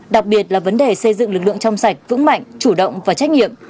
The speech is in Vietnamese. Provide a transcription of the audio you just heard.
đặc biệt là vấn đề xây dựng lực lượng trong sạch vững mạnh chủ động và trách nhiệm